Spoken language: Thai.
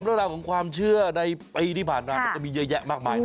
เรื่องราวของความเชื่อในปีที่ผ่านมามันจะมีเยอะแยะมากมายนะ